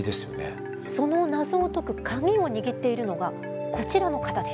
その謎を解くカギを握っているのがこちらの方です。